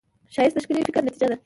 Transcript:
ښایست د ښکلي فکر نتیجه ده